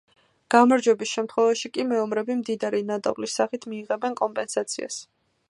გამარჯვების შემთხვევაში კი მეომრები მდიდარი ნადავლის სახით მიიღებდნენ კომპენსაციას.